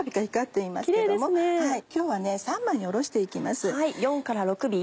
今日は三枚におろして行きます。